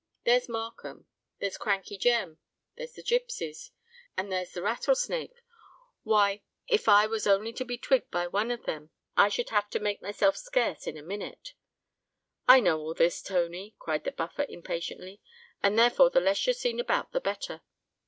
There's Markham—there's Crankey Jem—there's the gipsies—and there's the Rattlesnake: why—if I was only to be twigged by one of them I should have to make myself scarce in a minute." "I know all this, Tony," cried the Buffer, impatiently; "and therefore the less you're seen about, the better.